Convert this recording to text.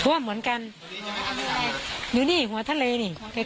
ถั่วเหมือนกันหัวทะเลนี่ใกล้